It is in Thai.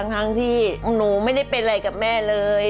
ทั้งที่หนูไม่ได้เป็นอะไรกับแม่เลย